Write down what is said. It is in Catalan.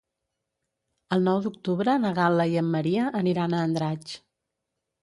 El nou d'octubre na Gal·la i en Maria aniran a Andratx.